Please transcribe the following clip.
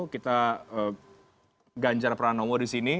kita ganjar pranowo di sini